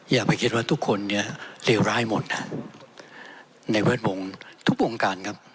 อย่าไปคิดว่าทุกคนเนี่ยเลวร้ายหมดในแวดวงทุกวงการครับ